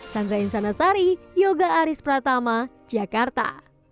sandra insanasari yoga aris pratama jakarta